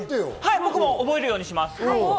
僕も覚えるようにします。